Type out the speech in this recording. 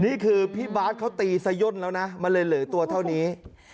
นี่คือพี่บาทเขาตีซะย่นแล้วนะมันเลยเหลือตัวเท่านี้